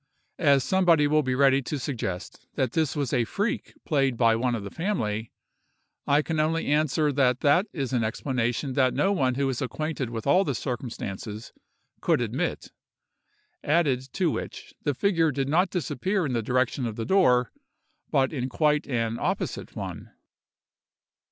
As somebody will be ready to suggest that this was a freak played by one of the family, I can only answer that that is an explanation that no one who is acquainted with all the circumstances, could admit; added to which, the figure did not disappear in the direction of the door, but in quite an opposite one.